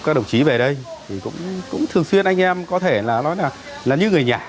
các đồng chí về đây thì cũng thường xuyên anh em có thể là như người nhà